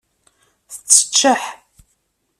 Tetteččeḥ.